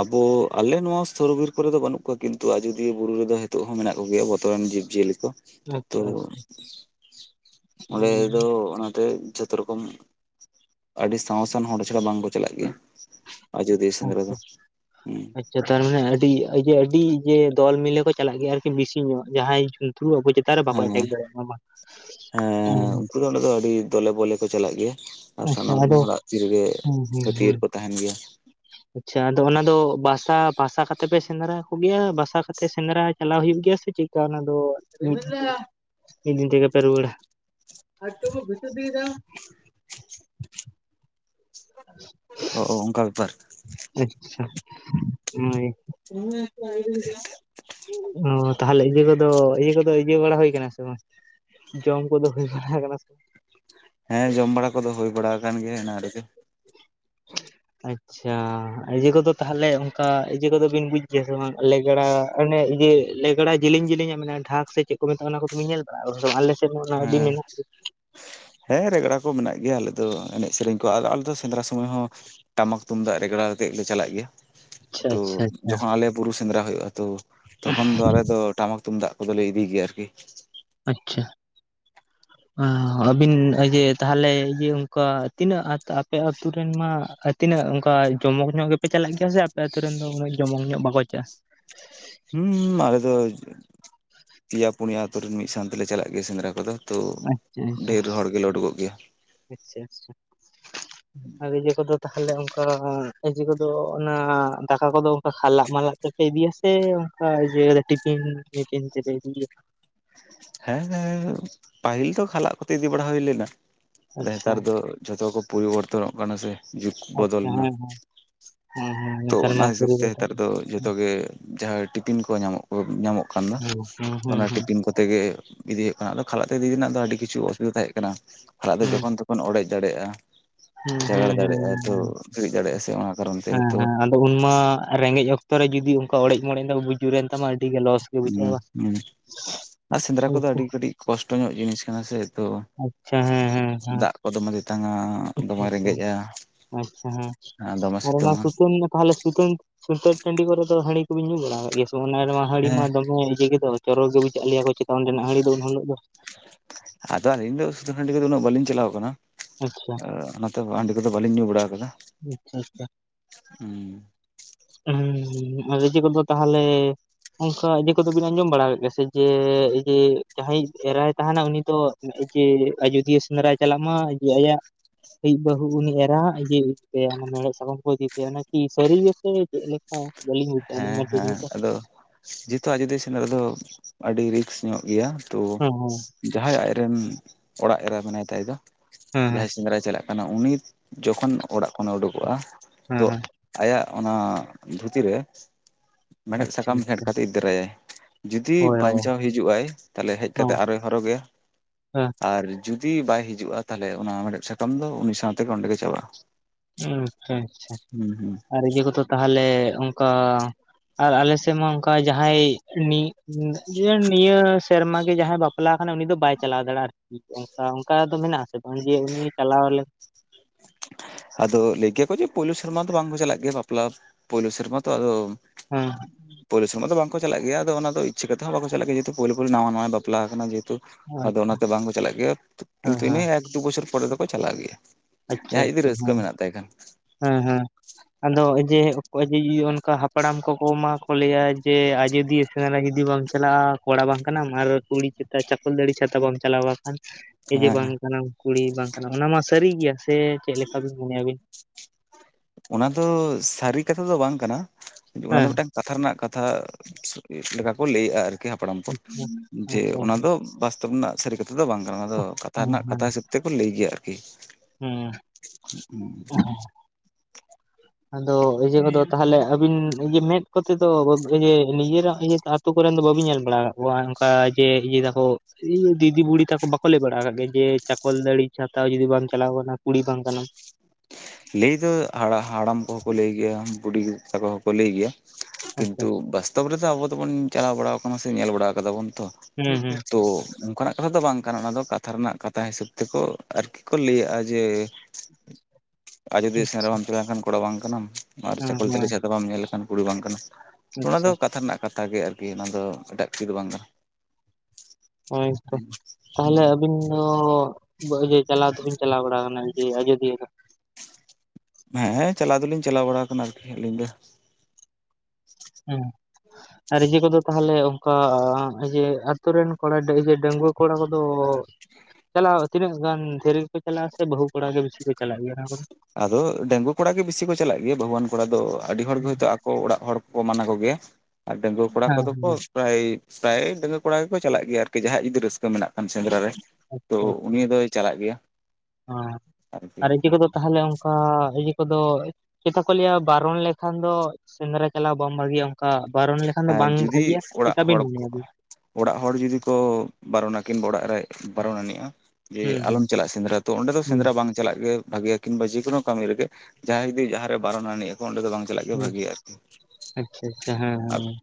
ᱟᱵᱚ ᱟᱞᱮ ᱱᱚᱣᱟ ᱥᱩᱨ ᱵᱤᱨ ᱠᱚᱨᱮ ᱫᱚ ᱵᱟᱹᱱᱩᱜ ᱠᱚᱣᱟ ᱠᱤᱱᱛᱩ ᱟᱡᱚᱫᱤᱭᱟᱹ ᱵᱩᱨᱩ ᱨᱮᱫᱚ ᱱᱤᱛᱚᱜ ᱦᱚᱸ ᱢᱮᱱᱟᱜ ᱠᱚ ᱜᱮᱭᱟ ᱵᱚᱛᱚᱨᱟᱱ ᱡᱤᱵᱽ ᱡᱤᱭᱟᱹᱞᱤ ᱠᱚ ᱛᱚ ᱟᱪᱪᱷᱟ ᱚᱸᱰᱮ ᱫᱚ ᱚᱱᱟᱛᱮ ᱡᱚᱛᱚ ᱨᱚᱠᱚᱢ [inaudible] ᱟᱹᱰᱤ ᱥᱟᱸᱦᱚᱥᱟᱱ ᱦᱚᱲ ᱪᱷᱟᱲᱟ ᱵᱟᱝᱠᱚ ᱪᱟᱞᱟᱜ ᱜᱮᱭᱟ ᱾ ᱟᱪᱪᱷᱟ ᱦᱮᱸ ᱟᱪᱪᱷᱟ ᱾ ᱛᱟᱨᱢᱟᱱᱮ ᱟᱹᱰᱤ ᱟᱹᱰᱤ ᱡᱮ ᱫᱚᱞ ᱢᱤᱞᱮ ᱠᱚ ᱪᱟᱞᱟᱜ ᱜᱮᱭᱟ ᱟᱨᱠᱤ ᱵᱤᱥᱤ ᱧᱚᱜ ᱡᱟᱦᱟᱸᱭ [unintelligible] ᱟᱵᱩ ᱪᱮᱛᱟᱱ ᱨᱮ ᱵᱟᱠᱚ ᱦᱮᱸ ᱮᱴᱮᱠ ᱫᱟᱲᱮᱭᱟᱜ ᱢᱟ ᱵᱟᱝ [inaudible] ᱦᱮᱸ ᱩᱱᱠᱩ ᱫᱚ ᱚᱸᱰᱮ ᱫᱚ ᱟᱹᱰᱤ ᱫᱚᱞᱮ ᱵᱚᱞᱮ ᱠᱚ ᱪᱟᱞᱟᱜ ᱜᱮᱭᱟ ᱟᱨ ᱟᱪᱪᱷᱟ ᱥᱟᱱᱟᱢ ᱟᱫᱚ ᱦᱚᱲᱟᱜ ᱛᱤ ᱨᱮᱜᱮ ᱦᱩᱸ ᱦᱩᱸ ᱦᱟᱹᱛᱭᱟᱹᱨ ᱦᱩᱸ ᱠᱚ ᱛᱟᱦᱮᱱ ᱜᱮᱭᱟ᱾ ᱟᱪᱪᱷᱟ, ᱟᱫᱚ ᱚᱱᱟ ᱫᱚ ᱵᱟᱥᱟ ᱵᱟᱥᱟ ᱠᱟᱛᱮ ᱯᱮ ᱥᱮᱸᱫᱽᱨᱟ ᱠᱚᱜᱮᱭᱟ ᱵᱟᱥᱟ ᱠᱟᱛᱮ ᱥᱮᱸᱫᱽᱨᱟ ᱪᱟᱞᱟᱣ ᱦᱩᱭᱩᱜ ᱜᱮᱭᱟ ᱥᱮ ᱪᱮᱫ [unintelligible] ᱫᱚ ᱢᱤᱫ ᱢᱤᱫ ᱫᱤᱱ ᱛᱮᱜᱮ ᱯᱮ ᱨᱩᱣᱟᱹᱲᱟ ᱾ [inaudible] [inaudible] ᱚ ᱚᱱᱠᱟ ᱵᱮᱯᱟᱨ ᱾ ᱟᱪᱪᱷᱟ, ᱦᱳᱭ ᱾ [inaudible] ᱚ ᱛᱟᱦᱚᱞᱮ ᱤᱭᱟᱹ ᱠᱚᱫᱚ ᱤᱭᱟᱹ ᱠᱚᱫᱚ ᱤᱭᱟᱹ ᱵᱟᱲᱟ ᱦᱩᱭ ᱟᱠᱟᱱᱟ ᱥᱮ ᱵᱟᱝ? ᱡᱚᱢ ᱠᱚᱫᱚ ᱦᱩᱭ ᱵᱟᱲᱟ ᱟᱠᱟᱱᱟ ᱥᱮ ᱵᱟᱝ? ᱦᱮᱸ ᱡᱚᱢ ᱵᱟᱲᱟ ᱠᱚᱫᱚ ᱦᱩᱭ ᱵᱟᱲᱟ ᱟᱠᱟᱱ ᱜᱮᱭᱟ ᱮᱱᱟᱝ ᱨᱮᱜᱮ ᱾ [unintelligible] ᱟᱪᱪᱷᱟ ᱤᱭᱟᱹ ᱠᱚᱫᱚ ᱛᱟᱦᱚᱞᱮ ᱚᱱᱠᱟ ᱤᱭᱟᱹ ᱠᱚᱫᱚ ᱵᱤᱱ ᱵᱩᱡᱽ ᱜᱮᱭᱟ ᱥᱮ ᱵᱟᱝ [unintelligible] ᱚᱱᱮ ᱤᱭᱟᱹ [unintelligible] ᱡᱮᱞᱮ ᱡᱮᱞᱮᱧᱟᱜ ᱢᱮᱱᱟᱜᱼᱟ ᱰᱷᱟᱠ ᱥᱮ ᱪᱮᱫ ᱠᱚ ᱢᱮᱛᱟᱜᱼᱟ ᱚᱱᱟ ᱠᱚ ᱫᱚ ᱵᱤᱱ ᱧᱮᱞ ᱵᱟᱲᱟ [unintelligible] ᱦᱮᱸᱻ ᱢᱮᱱᱟᱜᱼᱟ ᱦᱮᱸ ᱨᱮᱜᱽᱲᱟ ᱠᱚ ᱢᱮᱱᱟᱜ ᱜᱮᱭᱟ ᱟᱞᱮ ᱫᱚ ᱮᱱᱮᱡ ᱥᱮᱨᱮᱧ ᱠᱚ ᱟ ᱟᱞᱮ ᱫᱚ ᱥᱮᱸᱫᱽᱨᱟ ᱥᱚᱢᱚᱭ ᱦᱚᱸ ᱴᱟᱢᱟᱠ ᱛᱩᱢᱫᱟᱜ ᱨᱮᱜᱽᱲᱟ ᱟᱛᱮᱫ ᱜᱮᱞᱮ ᱪᱟᱞᱟᱜ ᱜᱮᱭᱟ ᱟᱪᱪᱷᱟ ᱾ ᱛᱚ ᱟᱪᱪᱷᱟ ᱟᱪᱪᱷᱟ ᱡᱚᱠᱷᱚᱱ ᱟᱞᱮ ᱵᱩᱨᱩ ᱥᱮᱸᱫᱽᱨᱟ ᱦᱩᱭᱩᱜᱼᱟ ᱛᱚ, ᱛᱚᱠᱷᱚᱱ ᱫᱚ ᱟᱞᱮ ᱫᱚ ᱴᱟᱢᱟᱠ ᱛᱩᱢᱫᱟᱜ ᱠᱚᱫᱚᱞᱮ ᱤᱫᱤ ᱜᱮᱭᱟ ᱟᱨᱠᱤ᱾ ᱟᱪᱪᱷᱟ ᱾ [inaudible] ᱟᱹᱵᱤᱱ ᱡᱮ ᱛᱟᱦᱚᱞᱮ ᱮ ᱚᱱᱠᱟ ᱛᱤᱱᱟᱹᱜ ᱟᱯᱮ ᱟᱹᱛᱩ ᱨᱮᱱ ᱢᱟ ᱛᱤᱱᱟᱹᱜ ᱚᱱᱠᱟ ᱡᱚᱢᱚᱠ ᱧᱚᱜ ᱜᱮᱯᱮ ᱪᱟᱞᱟᱜ ᱜᱮᱭᱟ ᱥᱮ ᱟᱯᱮ ᱟᱹᱛᱩ ᱨᱮᱱ ᱫᱚ ᱩᱱᱟᱹᱜ ᱡᱚᱢᱚᱠ ᱧᱚᱜ ᱵᱟᱠᱚ ᱪᱟᱜᱼᱟ? ᱦᱮᱸ ᱟᱞᱮ ᱫᱚ [inaudible] ᱯᱮᱭᱟ ᱯᱩᱱᱭᱟ ᱟᱹᱛᱩ ᱨᱮᱱ ᱢᱤᱫ ᱥᱟᱶ ᱛᱮᱞᱮ ᱪᱟᱞᱟᱜ ᱜᱮᱭᱟ ᱥᱮᱸᱫᱽᱨᱟ ᱠᱚᱫᱚ᱾ ᱛᱚ ᱟᱪᱪᱷᱟ ᱟᱪᱪᱷᱟ᱾ ᱰᱷᱮᱨ ᱦᱚᱲ ᱜᱮᱞᱮ ᱩᱰᱩᱠᱚᱜ ᱜᱮᱭᱟ᱾ ᱟᱪᱪᱷᱟ ᱟᱪᱪᱷᱟ ᱾ [inaudible] ᱟᱨ ᱤᱭᱟᱹ ᱠᱚᱫᱚ ᱛᱟᱦᱚᱞᱮ ᱚᱱᱠᱟ ᱤᱭᱟᱹ ᱠᱚᱫᱚ ᱚᱱᱟ ᱫᱟᱠᱟ ᱠᱚᱫᱚ ᱚᱱᱠᱟ ᱦᱟᱞᱟᱜ ᱢᱟᱞᱟᱜ ᱛᱮ ᱯᱮ ᱤᱫᱤᱭᱟ ᱥᱮ ᱚᱱᱠᱟ ᱴᱤᱯᱷᱤᱱ ᱢᱤᱯᱤᱱ ᱛᱮᱯᱮ ᱤᱫᱤᱭᱟ? ᱦᱮᱸ ᱦᱮᱸ ᱯᱟᱹᱦᱤᱞ ᱫᱚ ᱠᱷᱟᱞᱟᱜ ᱠᱚᱛᱮ ᱤᱫᱤ ᱵᱟᱲᱟ ᱦᱩᱭ ᱞᱮᱱᱟ᱾ ᱟᱫᱚ ᱟᱪᱪᱷᱟ ᱱᱮᱛᱟᱨ ᱫᱚ ᱡᱷᱚᱛᱚ ᱠᱚ ᱯᱚᱨᱤᱵᱚᱨᱛᱚᱱᱚᱜ ᱠᱟᱱᱟ ᱥᱮ ᱡᱩᱜᱽ ᱵᱚᱫᱚᱞ ᱮᱱᱟ ᱾ ᱦᱩᱸ ᱦᱩᱸ ᱛᱚ ᱚᱱᱟ ᱦᱤᱥᱟᱹᱵᱽ ᱛᱮ ᱱᱮᱛᱟᱨ ᱫᱚ ᱡᱚᱛᱚ ᱜᱮ ᱡᱟᱦᱟᱸ ᱴᱤᱯᱤᱱ ᱠᱚ ᱧᱟᱢᱚᱜ ᱾ ᱧᱟᱢᱚᱜ ᱠᱟᱱᱟ ᱦᱮᱸ ᱦᱮᱸ ᱦᱮᱸ ᱚᱱᱟ ᱦᱮᱸ ᱴᱤᱯᱤᱱ ᱠᱚᱛᱮᱼᱼ ᱛᱮᱜᱮ ᱤᱫᱤ ᱦᱩᱭᱩᱜ ᱠᱟᱱᱟ ᱟᱫᱚ ᱠᱷᱟᱞᱟᱜ ᱛᱮ ᱤᱫᱤ ᱨᱮᱱᱟᱜ ᱫᱚ ᱟᱹᱰᱤ ᱠᱤᱪᱷᱩ ᱚᱥᱩᱵᱤᱫᱟ ᱦᱮᱡ ᱟᱠᱟᱱᱟ ᱠᱷᱟᱞᱟᱜ ᱦᱮᱸ ᱡᱚᱠᱷᱚᱱ ᱛᱚᱠᱷᱚᱱ ᱚᱲᱮᱡᱼᱼ ᱫᱟᱲᱮᱭᱟᱜᱼᱟ, ᱦᱮᱸ ᱪᱟᱜᱟᱲ ᱦᱮᱸ ᱫᱟᱲᱮᱭᱟᱜᱼᱟ, ᱛᱚ ᱦᱮᱸ ᱦᱤᱨᱤᱡ ᱫᱟᱲᱮᱭᱟᱜᱼᱟ ᱥᱮ ᱚᱱᱟ ᱠᱟᱨᱚᱱ ᱛᱮ ᱦᱮᱸ ᱛᱚᱼᱼ ᱦᱮᱸ ᱟᱫᱚ ᱩᱱᱢᱟ ᱨᱮᱸᱜᱮᱡ ᱚᱠᱛᱚ ᱨᱮ ᱡᱩᱫᱤ ᱚᱱᱠᱟ ᱚᱲᱮᱡ ᱢᱚᱬᱮᱡ ᱫᱚ ᱵᱩᱡᱩᱨᱮᱱ ᱛᱟᱢᱟ ᱟᱹᱰᱤᱼᱼ ᱦᱮᱸ ᱦᱮᱸ ᱟᱨ ᱥᱮᱸᱫᱽᱨᱟ ᱠᱚᱫᱚ ᱟᱹᱰᱤ ᱠᱟᱹᱴᱤᱡ ᱠᱚᱥᱴᱚ ᱧᱚᱜ ᱡᱤᱱᱤᱥ ᱠᱟᱱᱟ ᱥᱮ ᱛᱚ᱾ ᱟᱪᱪᱷᱟ ᱦᱮᱸ ᱦᱮᱸ ᱦᱮᱸᱼᱼ [unintelligible] ᱫᱚᱢᱮ ᱛᱮᱛᱟᱝᱼᱟ᱾ ᱟᱪᱪᱷᱟ ᱟᱪᱪᱷᱟ ᱟᱪᱪᱷᱟ ᱦᱮᱸ ᱫᱚᱢᱮ ᱟᱨ ᱚᱱᱟ ᱥᱤᱛᱩᱝᱼᱟ ᱥᱩᱛᱟᱹᱢᱼᱼ ᱛᱟᱦᱚᱞᱮ ᱥᱩᱛᱟᱹᱱ ᱥᱩᱛᱟᱹᱱ ᱴᱟᱺᱰᱤ ᱠᱚ ᱨᱮ ᱫᱚ ᱦᱟᱺᱰᱤ ᱠᱚᱵᱤᱱ ᱧᱩ ᱵᱟᱲᱟ ᱟᱠᱟᱫ ᱜᱮᱭᱟ ᱥᱮ ᱚᱱᱟ ᱨᱮᱢᱟ ᱦᱟᱺᱰᱤ ᱦᱮᱸ ᱢᱟ ᱫᱚᱢᱮ ᱤᱭᱟᱹ ᱜᱮᱫᱚ᱾ ᱪᱚᱨᱚᱠ ᱜᱮ ᱵᱩᱡᱷᱟᱹᱜᱼᱟ ᱞᱮᱭᱟ ᱠᱚ ᱪᱮᱛᱟ ᱚᱸᱰᱮᱱᱟᱜ ᱦᱟᱺᱰᱤ ᱫᱚ ᱩᱱ ᱦᱤᱞᱳᱜ ᱫᱚᱼᱼ ᱟᱫᱚ ᱟᱹᱞᱤᱧ ᱫᱚ ᱥᱩᱛᱟᱹᱱ ᱴᱷᱟᱺᱰᱤ ᱨᱮ ᱫᱚ ᱩᱱᱟᱹᱜ ᱵᱟᱹᱞᱤᱧ ᱪᱟᱞᱟᱣ ᱠᱟᱱᱟ᱾ ᱟᱪᱪᱷᱟᱼᱼ ᱚᱱᱟ ᱛᱮ ᱦᱟᱺᱰᱤ ᱠᱚᱫᱚ ᱵᱟᱹᱞᱤᱧ ᱧᱩ ᱵᱟᱲᱟ ᱟᱠᱟᱫᱟ᱾ ᱟᱪᱪᱷᱟ ᱟᱪᱪᱷᱟᱼᱼ ᱦᱮᱸ ᱨᱤᱡᱤ ᱠᱚ ᱫᱚ ᱛᱟᱦᱚᱞᱮᱼᱼ ᱚᱱᱠᱟ ᱤᱭᱟᱹ ᱠᱚᱫᱚ ᱵᱤᱱ ᱟᱸᱡᱚᱢ ᱵᱟᱲᱟ ᱠᱮᱫ ᱜᱮᱭᱟ ᱥᱮ ᱡᱮ ᱡᱟᱦᱟᱸᱭᱤᱡ ᱮᱨᱟᱭ ᱛᱟᱦᱮᱱᱟ ᱩᱱᱤ ᱫᱚᱼᱼ ᱡᱮ ᱟᱡᱚᱫᱤᱭᱟᱹ ᱥᱮᱸᱫᱽᱨᱟᱭ ᱪᱟᱞᱟᱜ ᱢᱟ ᱡᱮ ᱟᱭᱟᱜ ᱟᱭᱤᱡ ᱵᱟᱹᱦᱩ ᱩᱱᱤ ᱮᱨᱟ ᱟᱜ ᱡᱮᱼᱼ ᱚᱱᱟ ᱢᱮᱲᱦᱮᱫ ᱥᱟᱠᱟᱢ ᱠᱚᱭ ᱤᱫᱤ ᱛᱟᱭᱟ ᱚᱱᱟ ᱠᱤ ᱥᱟᱹᱨᱤ ᱜᱮᱥᱮ ᱪᱮᱫ ᱞᱮᱠᱟ ᱵᱟᱹᱞᱤᱧ ᱵᱩ ᱦᱮᱸ ᱦᱮᱸ ᱟᱫᱚ ᱡᱮᱦᱮᱛᱩ ᱟᱡᱚᱫᱤᱭᱟᱹ ᱥᱮᱸᱫᱽᱨᱟ ᱫᱚ ᱟᱹᱰᱤ ᱨᱤᱠᱥ ᱧᱚᱜ ᱜᱮᱭᱟ ᱛᱚ ᱦᱮᱸ ᱦᱮᱸ ᱡᱟᱦᱟᱸᱭ ᱟᱡ ᱨᱮᱱ ᱚᱲᱟᱜ ᱮᱨᱟ ᱢᱮᱱᱟᱭ ᱛᱟᱭ ᱫᱚ ᱦᱮᱸ ᱦᱮᱸ ᱡᱟᱦᱟᱸᱭ ᱥᱮᱸᱫᱽᱨᱟᱭ ᱪᱟᱞᱟᱜᱼᱼ ᱠᱟᱱᱟ ᱩᱱᱤ ᱡᱚᱠᱷᱚᱱ ᱚᱲᱟᱜ ᱠᱷᱚᱱᱮ ᱩᱰᱩᱠᱚᱜᱼᱟ᱾ ᱦᱮᱸ ᱛᱚ ᱦᱮᱸ ᱟᱭᱟᱜ ᱚᱱᱟ ᱫᱷᱩᱛᱤ ᱨᱮ ᱢᱮᱬᱦᱮᱫ ᱟᱪᱪᱷᱟ ᱥᱟᱠᱟᱢ ᱜᱷᱮᱸᱰ ᱟᱪᱪᱷᱟ ᱠᱟᱛᱮᱫ ᱤᱫᱤ ᱛᱚᱨᱟᱭᱟᱭ᱾ ᱡᱩᱫᱤ ᱦᱳᱭ ᱵᱟᱧᱪᱟᱣ ᱦᱤᱡᱩᱜ ᱟᱭ ᱛᱟᱦᱚᱞᱮ ᱦᱮᱡ ᱠᱟᱛᱮ ᱦᱳᱭ ᱟᱨᱚᱭ ᱦᱚᱨᱚᱜ ᱮᱭᱟ᱾ ᱟᱨ ᱡᱩᱫᱤ ᱵᱟᱭ ᱦᱤᱡᱩᱜᱼᱟ ᱛᱟᱦᱚᱞᱮ ᱚᱱᱟ ᱢᱮᱬᱦᱮᱫ ᱥᱟᱠᱟᱢ ᱫᱚ ᱩᱱᱤ ᱥᱟᱶ ᱛᱮ ᱜᱮ ᱚᱸᱰᱮ ᱜᱮ ᱪᱟᱵᱟᱜᱼᱟ ᱾ ᱟᱪᱪᱷᱟ ᱟᱪᱪᱷᱟ ᱟᱨ ᱤᱭᱟᱹ ᱠᱚᱫᱚ ᱛᱟᱦᱚᱞᱮ ᱚᱱᱠᱟᱼᱼ ᱟᱨ ᱟᱞᱮ ᱥᱮᱫ ᱢᱟ ᱚᱱᱠᱟ ᱡᱟᱦᱟᱸᱭ [unintelligible] ᱱᱤᱭᱟᱹ ᱥᱮᱨᱢᱟ ᱜᱮ ᱡᱟᱦᱟᱸᱭ ᱵᱟᱯ ᱞᱟᱣ ᱟᱠᱟᱱᱟ ᱩᱱᱤ ᱫᱚ ᱵᱟᱭ ᱪᱟᱞᱟᱣ ᱫᱟᱲᱮᱜᱼᱟ ᱟᱨᱠᱤ ᱚᱱᱠᱟ, ᱚᱱᱠᱟ ᱫᱚ ᱢᱮᱱᱟᱜ-ᱟ ᱥᱮ ᱵᱟᱝ ᱡᱮ ᱩᱱᱤ ᱪᱟᱞᱟᱣ ᱞᱮᱱ ᱟᱫᱚ ᱞᱟᱹᱭ ᱜᱮᱭᱟ ᱠᱚ ᱡᱮ ᱯᱳᱭᱞᱳ ᱥᱮᱨᱢᱟ ᱫᱚ ᱵᱟᱝ ᱠᱚ ᱪᱟᱞᱟᱜ ᱜᱮᱭᱟ ᱵᱟᱯᱞᱟ ᱯᱳᱭᱞᱳ ᱥᱮᱨᱢᱟ ᱛᱚ ᱟᱫᱚᱼᱼ ᱦᱮᱸ ᱯᱳᱭᱞᱳ ᱥᱮᱨᱢᱟ ᱫᱚ ᱵᱟᱝ ᱠᱚ ᱪᱟᱞᱟᱜ ᱜᱮᱭᱟ ᱟᱫᱚ ᱚᱱᱟ ᱫᱚ ᱤᱪᱪᱷᱟᱹ ᱠᱟᱛᱮ ᱦᱚᱸ ᱵᱟᱠᱚ ᱪᱟᱞᱟᱜ ᱜᱮᱭᱟ ᱡᱮᱦᱮᱛᱩ ᱯᱩᱭᱞᱩ ᱯᱩᱭᱞᱩ ᱱᱟᱣᱟ ᱱᱟᱣᱟ ᱵᱟᱯᱞᱟ ᱟᱠᱟᱱᱟ ᱡᱮᱦᱮᱛᱩᱼᱼ ᱟᱫᱚ ᱚᱱᱟ ᱛᱮ ᱵᱟᱝ ᱠᱚ ᱪᱟᱞᱟᱜ ᱜᱮᱭᱟ ᱦᱮᱸ ᱠᱤᱱᱛᱩ ᱤᱱᱟᱹ ᱦᱮᱸ ᱮᱠ ᱫᱩ ᱵᱚᱪᱷᱚᱨ ᱯᱚᱨᱮ ᱫᱚ ᱠᱚ ᱪᱟᱞᱟᱜ ᱜᱮᱭᱟ᱾ ᱟᱪᱪᱷᱟ ᱡᱟᱦᱟᱸᱭ ᱦᱮᱸ ᱟᱜ ᱡᱩᱫᱤ ᱦᱮᱸ ᱨᱟᱹᱥᱠᱟᱹ ᱢᱮᱱᱟᱜ ᱛᱟᱭ ᱠᱷᱟᱱ᱾ ᱦᱮᱸ ᱦᱮᱸ ᱟᱫᱚ ᱡᱮ [unintelligible] ᱚᱱᱠᱟ ᱦᱟᱯᱲᱟᱢ ᱠᱚᱠᱚ ᱢᱟᱠᱚ ᱞᱟᱹᱭᱟ ᱡᱮ ᱟᱡᱚᱫᱤᱭᱟᱹᱼᱼ ᱥᱮᱸᱫᱽᱨᱟ ᱡᱩᱫᱤ ᱵᱟᱢ ᱪᱟᱞᱟᱜᱼᱟ ᱠᱚᱲᱟ ᱵᱟᱝ ᱠᱟᱱᱟᱢ ᱟᱨ ᱠᱩᱲᱤ ᱪᱮᱛᱟ ᱪᱟᱠᱚᱞ ᱛᱟᱲᱤ ᱪᱷᱟᱛᱟ ᱵᱟᱢ ᱪᱟᱞᱟᱣ ᱵᱟᱠᱷᱟᱱ ᱮ ᱡᱮ ᱵᱟᱝ ᱦᱮᱸ ᱠᱟᱱᱟ ᱠᱩᱲᱤ ᱵᱟᱝ ᱠᱟᱱᱟᱢ ᱾ ᱚᱱᱟ ᱢᱟ ᱥᱟᱹᱨᱤ ᱜᱮᱭᱟ ᱥᱮ ᱪᱮᱫ ᱞᱮᱠᱟ ᱵᱤᱱ ᱢᱚᱱᱮᱭᱟ ᱟᱵᱤᱱ? ᱚᱱᱟ ᱫᱚ ᱥᱟᱹᱨᱤ ᱠᱟᱛᱷᱟ ᱫᱚ ᱵᱟᱝ ᱠᱟᱱᱟ, ᱚᱱᱟ ᱫᱚ ᱦᱮᱸ ᱢᱤᱫᱴᱟᱝᱼᱼ ᱠᱟᱛᱷᱟ ᱨᱮᱱᱟᱜ ᱠᱟᱛᱷᱟ ᱛᱮᱫ ᱞᱮᱠᱟ ᱠᱚ ᱞᱟᱹᱭᱮᱫᱼᱟ ᱟᱨᱠᱤ ᱠᱤ ᱦᱟᱯᱲᱟᱢ ᱠᱚ ᱡᱮ ᱟᱪᱪᱷᱟ ᱚᱱᱟ ᱫᱚ ᱵᱟᱥᱛᱚᱵ ᱨᱮᱱᱟᱜ ᱥᱟᱹᱨᱤ ᱠᱟᱛᱷᱟ ᱫᱚ ᱵᱟᱝ ᱠᱟᱱᱟ ᱚᱱᱟ ᱫᱚ ᱠᱟᱛᱷᱟ ᱦᱮᱸ ᱨᱮᱱᱟᱜ ᱦᱮᱸ ᱠᱟᱛᱷᱟ ᱦᱤᱥᱟᱹᱵᱼᱼ ᱛᱮᱠᱚ ᱞᱟᱹᱭ ᱜᱮᱭᱟ ᱟᱨᱠᱤᱼᱼ ᱦᱮᱸ ᱟᱫᱚ ᱤᱭᱟᱹ ᱠᱚᱫᱚ ᱛᱟᱦᱚᱞᱮ ᱟᱹᱵᱤᱱ ᱤᱭᱟᱹ ᱢᱮᱫ ᱠᱚᱛᱮ ᱫᱚᱼᱼ ᱮ ᱱᱤᱡᱮᱨᱟᱜ [unintelligible] ᱟᱛᱳ ᱠᱚ ᱨᱮᱱ ᱫᱚ ᱵᱟᱹᱵᱤᱱ ᱧᱮᱞ ᱵᱟᱲᱟ ᱟᱠᱟᱫ ᱠᱚᱣᱟ ᱚᱱᱠᱟ ᱡᱮ ᱤᱭᱟᱹ ᱫᱟᱠᱚᱼᱼ ᱤᱭᱟᱹ ᱫᱤᱫᱤ ᱵᱩᱲᱷᱤ ᱛᱟᱠᱚ ᱵᱟᱠᱚ ᱞᱟᱹᱭ ᱵᱟᱲᱟ ᱟᱠᱟᱫ ᱜᱮᱭᱟ ᱡᱮ ᱪᱟᱠᱚᱞ ᱛᱟᱲᱤ ᱪᱷᱟᱛᱟ ᱡᱩᱫᱤ ᱵᱟᱢ ᱪᱟᱞᱟᱣ ᱟᱠᱟᱱᱟ ᱠᱩᱲᱤ ᱵᱟᱝ ᱠᱟᱱᱟᱢ ᱞᱟᱹᱭ ᱫᱚ ᱦᱟᱲᱟᱢ ᱠᱚᱦᱚᱸ ᱠᱚ ᱞᱟᱹᱭ ᱜᱮᱭᱟ, ᱵᱩᱰᱷᱤ ᱛᱟᱠᱚ ᱦᱚᱸ ᱠᱚ ᱞᱟᱹᱭ ᱜᱮᱭᱟ᱾ ᱟᱪᱪᱷᱟ ᱠᱤᱱᱛᱩ ᱵᱟᱥᱛᱚᱵ ᱨᱮᱫᱚ ᱟᱵᱚ ᱫᱚᱵᱚᱱ ᱪᱟᱞᱟᱣ ᱵᱟᱲᱟ ᱠᱟᱱᱟ ᱥᱮ ᱧᱮᱞ ᱵᱟᱲᱟ ᱠᱟᱫᱟ ᱵᱚᱱ ᱛᱚ᱾ ᱦᱩᱸ ᱦᱩᱸ ᱛᱚ ᱚᱱᱠᱟᱱᱟᱜ ᱠᱟᱛᱷᱟ ᱫᱚ ᱵᱟᱝ ᱠᱟᱱᱟ᱾ ᱚᱱᱟ ᱫᱚ ᱠᱟᱛᱷᱟ ᱨᱮᱱᱟᱜ ᱠᱟᱛᱷᱟ ᱦᱤᱥᱟᱹᱵᱽ ᱛᱮᱠᱚ ᱟᱨᱠᱤ ᱠᱚ ᱞᱟᱹᱭ ᱟᱫᱼᱟ ᱡᱮ, ᱟᱡᱽᱫᱤᱭᱟᱹ ᱦᱮᱸ ᱥᱮᱸᱫᱽᱨᱟ ᱵᱟᱢ ᱪᱟᱞᱟᱣ ᱞᱮᱱ ᱠᱷᱟᱱ ᱠᱚᱲᱟ ᱵᱟᱝ ᱠᱟᱱᱟᱢ ᱟᱨ ᱪᱟᱠᱟᱞ ᱛᱟᱲᱤ ᱦᱮᱸ ᱪᱷᱟᱛᱟ ᱵᱟᱢ ᱧᱮᱞ ᱞᱮᱠᱷᱟᱱ ᱠᱩᱲᱤ ᱵᱟᱝ ᱠᱟᱱᱟᱢ᱾ ᱛᱚ ᱚᱱᱟ ᱟᱪᱪᱷᱟ ᱫᱚ ᱠᱟᱛᱷᱟ ᱨᱮᱱᱟᱜ ᱠᱟᱛᱷᱟ ᱜᱮ ᱟᱨᱠᱤ, ᱚᱱᱟ ᱫᱚ ᱮᱴᱟᱜ ᱠᱤᱪᱷᱩ ᱫᱚ ᱵᱟᱝ ᱠᱟᱱᱟ᱾ ᱦᱳᱭ ᱛᱚ ᱛᱟᱦᱚᱞᱮ ᱟᱹᱵᱤᱱ ᱫᱚ ᱪᱟᱞᱟᱣ ᱛᱚᱵᱤᱱ ᱪᱟᱞᱟᱣ ᱵᱟᱲᱟ ᱟᱠᱟᱱᱟ ᱡᱮ ᱟᱡᱽᱫᱤᱭᱟᱹ ᱫᱚ? ᱦᱮᱸ ᱦᱮᱸ ᱪᱟᱞᱟᱣ ᱫᱚᱞᱤᱧ ᱪᱟᱞᱟᱣ ᱵᱟᱲᱟ ᱟᱠᱟᱱᱟ ᱟᱨᱠᱤ ᱟᱹᱞᱤᱧ ᱫᱚ᱾ ᱦᱮᱸ᱾ ᱟᱨ ᱤᱡᱮ ᱠᱚᱫᱚ ᱛᱟᱦᱚᱞᱮ ᱚᱱᱠᱟ ᱡᱮ ᱟᱛᱚ ᱨᱮᱱ ᱠᱚᱲᱟ ᱰᱟᱺᱜᱩᱣᱟᱹ ᱠᱚᱲᱟ ᱠᱚᱫᱚ ᱪᱟᱞᱟᱜᱼᱟ᱾ ᱛᱤᱱᱟᱹᱜ ᱜᱟᱱ ᱫᱷᱮᱨ ᱜᱮᱠᱚ ᱪᱟᱞᱟᱜᱼᱟ ᱥᱮ ᱵᱟᱹᱦᱩ ᱠᱚᱲᱟ ᱜᱮ ᱵᱤᱥᱤ ᱠᱚ ᱪᱟᱞᱟᱜ ᱜᱮᱭᱟ? ᱠᱚᱫᱚ ᱟᱫᱚ ᱰᱟᱹᱝᱣᱟᱹ ᱠᱚᱲᱟ ᱜᱮ ᱵᱤᱥᱤ ᱠᱚ ᱪᱟᱞᱟᱜ ᱜᱮᱭᱟ᱾ ᱵᱟᱹᱦᱩᱣᱟᱱ ᱠᱚ ᱫᱚ ᱟᱹᱰᱤ ᱦᱚᱲ ᱜᱮ ᱦᱮᱸ ᱦᱳᱭ ᱛᱚ ᱟᱠ ᱚ ᱚᱲᱟᱜ ᱦᱚᱲ ᱠᱚᱠᱚ ᱢᱟᱱᱟ ᱠᱚᱜᱮᱭᱟ ᱟᱨ ᱰᱟᱺᱜᱩᱣᱟᱹ ᱠᱚᱲᱟ ᱦᱮᱸ ᱠᱚᱫᱚ ᱠᱚ ᱯᱨᱟᱭ ᱯᱨᱟᱭ ᱰᱟᱺᱜᱟᱹᱣᱟᱹ ᱠᱚᱲᱟ ᱜᱮᱠᱚ ᱪᱟᱞᱟᱜ ᱜᱮᱭᱟ ᱟᱨᱠᱤ, ᱡᱟᱦᱟᱸᱭᱟᱜ ᱡᱩᱫᱤ ᱨᱟᱹᱥᱠᱟᱹ ᱢᱮᱱᱟᱜ ᱠᱷᱟᱱ ᱥᱮᱸᱫᱽᱨᱟ ᱨᱮ ᱛᱚ ᱟᱪᱪᱷᱟ ᱟᱪᱪᱷᱟ ᱩᱱᱤ ᱫᱚᱭ ᱪᱟᱞᱟᱜ ᱜᱮᱭᱟ ᱦᱮᱸ ᱟᱨᱠᱤ᱾ ᱟᱨ ᱤᱭᱟᱹ ᱠᱚᱫᱚ ᱛᱟᱦᱚᱞᱮ ᱚᱱᱠᱟ ᱤᱭᱟᱹ ᱠᱚᱫᱚ ᱪᱮᱛᱟ ᱠᱚ ᱞᱟᱹᱭᱟ ᱵᱟᱨᱚᱱ ᱞᱮᱠᱷᱟᱱ ᱫᱚ ᱥᱮᱸᱫᱽᱨᱟ ᱪᱟᱞᱟᱣ ᱵᱟᱝ ᱵᱷᱟᱹᱜᱮᱭᱟ᱾ ᱚᱱᱠᱟ ᱵᱟᱨᱚᱱ ᱞᱮᱠᱷᱟᱱ ᱫᱚ ᱟᱨ ᱵᱟᱝ ᱡᱩᱫᱤ ᱵᱷᱟᱜᱮᱭᱟ ᱚᱲᱟᱜ ᱪᱮᱠᱟ ᱵᱤᱱ ᱦᱚᱲ ᱠᱚ ᱢᱚᱱᱮᱭᱟ, ᱟᱵᱤᱱ ᱚᱲᱟᱜ ᱦᱚᱲ ᱡᱩᱫᱤ ᱠᱚ ᱵᱟᱨᱚᱱᱟ᱾ ᱠᱤᱝᱵᱟ ᱚᱲᱟᱜ ᱨᱮ ᱵᱟᱨᱚ ᱟᱹᱱᱤᱡᱼᱟ᱾ ᱡᱮ ᱦᱩᱸ ᱦᱩᱸ ᱟᱞᱚᱢ ᱪᱟᱞᱟᱜᱼᱟ ᱥᱮᱸᱫᱽᱨᱟ, ᱛᱚ ᱚᱸᱰᱮ ᱫᱚ ᱦᱩᱸ ᱥᱮᱸᱫᱽᱨᱟ ᱵᱟᱝ ᱪᱟᱞᱟᱜ ᱜᱮ ᱵᱷᱟᱹᱜᱮᱭᱟ ᱠᱤᱜᱽᱵᱟ ᱡᱮ ᱠᱳᱱᱳ ᱠᱟᱹᱢᱤ ᱨᱮᱜᱮ ᱡᱟᱦᱟᱸᱭ ᱡᱩᱫᱤ ᱡᱟᱦᱟ ᱨᱮ ᱵᱟᱨᱚᱱ ᱟᱱᱤᱡ ᱟᱠᱚ ᱚᱸᱰᱮ ᱫᱚ ᱵᱟᱝ ᱪᱟᱞᱟᱜ ᱜᱮ ᱦᱩᱸ ᱵᱷᱟᱹᱜᱤᱭᱼᱟ ᱟᱨᱠᱤ ᱾ ᱟᱪᱪᱷᱟ, ᱟᱪᱪᱷᱟ ᱦᱮᱸ᱾ ᱦᱮᱸ [inaudible]